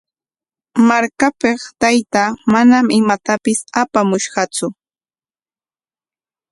Markapik taytaa manam imatapis apamushqatsu.